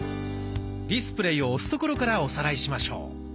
「ディスプレイ」を押すところからおさらいしましょう。